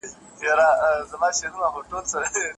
بس کلمات وي، شرنګ وي